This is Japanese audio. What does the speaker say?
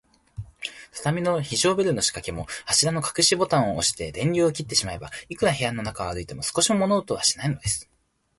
畳の非常ベルのしかけも、柱のかくしボタンをおして、電流を切ってしまえば、いくら部屋の中を歩いても、少しも物音はしないのです。